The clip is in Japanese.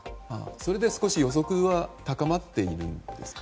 それで少し予測は高まっているんですか？